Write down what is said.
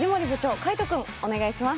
海音君お願いします